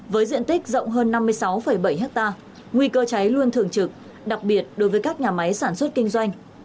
với diện tích rộng hơn năm mươi sáu bảy hectare nguy cơ cháy luôn thường trực đặc biệt đối với các nhà máy sản xuất kinh doanh